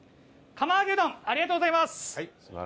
釜揚げうどんありがとうございます。